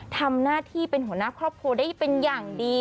ทำหน้าที่เป็นหัวหน้าครอบครัวได้เป็นอย่างดี